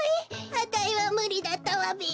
あたいはむりだったわべ。